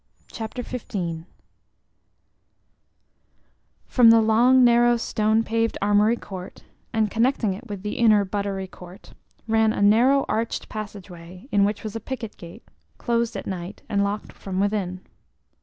CHAPTER 15 From the long, narrow stone paved Armory Court, and connecting it with the inner Buttery Court, ran a narrow arched passage way, in which was a picket gate, closed at night and locked from within.